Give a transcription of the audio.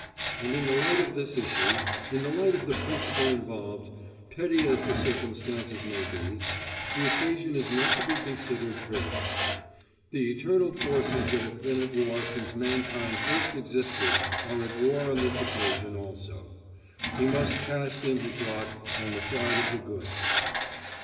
And in the light of this issue, in the light of the principle involved, petty as the circumstances may be, the occasion is not to be considered trivial. The eternal forces that have been at war since mankind first existed are at war on this occasion also; he must cast in his lot on the side of the good.